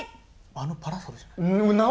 あのパラソルじゃない？